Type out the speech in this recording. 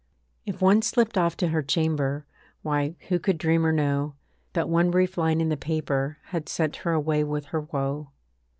If one slipped off to her chamber, Why, who could dream or know, That one brief line in the paper Had sent her away with her woe?